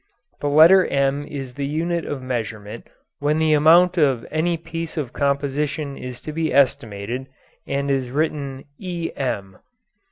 The letter M is the unit of measurement when the amount of any piece of composition is to be estimated, and is written "em."